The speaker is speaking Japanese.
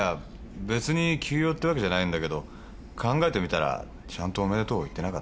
別に急用ってわけじゃないんだけど考えてみたらちゃんと「おめでとう」を言ってなかったから。